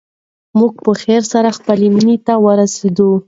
موږ په خیر سره خپلې مېنې ته ورسېدو.